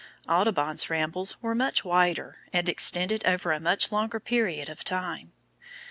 Audubon's rambles were much wider, and extended over a much longer period of time.